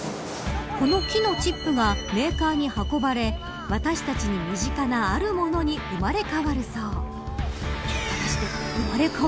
この木のチップがメーカーに運ばれ私たちに身近なあるものに生まれ変わるそう。